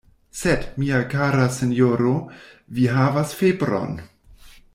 Sed, mia kara sinjoro, vi havas febron!